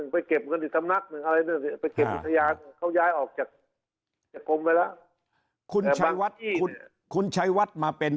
ไปเก็บเงินอีกคำนักอยู่คำนักนึง